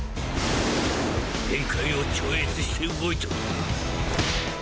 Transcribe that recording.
限界を超越して動いとる！